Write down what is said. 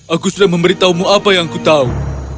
aku sudah memberitahumu apa yang ku tahu